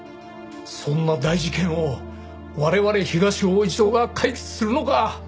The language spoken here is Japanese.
そんな大事件を我々東王子署が解決するのか。